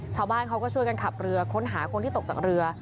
ชาวบ้านเขาก็ช่วยกันขับเรือค้นหาคนที่ตกจากเรือ